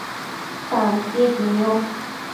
tantiequi niosh